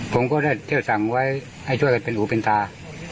ผมก็ได้เที่ยวสั่งไว้ให้ช่วยกันเป็นหูเป็นตา